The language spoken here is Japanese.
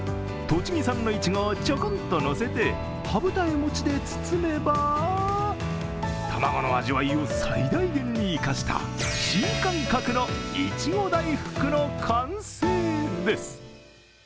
栃木産のいちごをチョコンとのせて、羽二重餅で包めば卵の味わいを最大限に生かした新感覚のいちご大福の完成です。